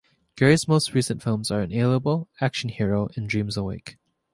Gary's most recent films are "InAlienable", "Action Hero" and "Dreams Awake".